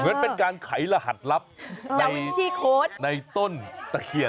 เหมือนเป็นการไขลหัดลับในต้นตะเขียน